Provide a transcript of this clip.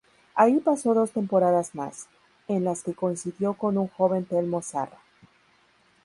Allí pasó dos temporadas más, en las que coincidió con un joven Telmo Zarra.